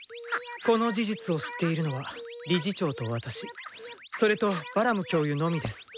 この事実を知っているのは理事長と私それとバラム教諭のみです。